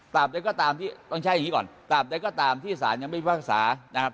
ใดก็ตามที่ต้องใช้อย่างนี้ก่อนตามใดก็ตามที่สารยังไม่พิพากษานะครับ